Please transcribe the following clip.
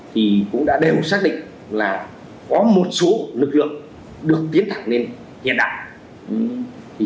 thì cũng đã đều xác định là có một số lực lượng được tiến thẳng lên hiện đại